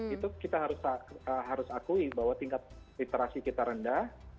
itu kita harus akui bahwa tingkat literasi kita rendah